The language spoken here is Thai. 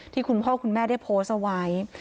คุณพ่อคุณแม่ได้โพสต์เอาไว้